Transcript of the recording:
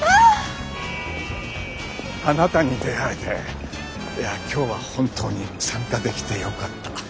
あなたに出会えていや今日は本当に参加できてよかった。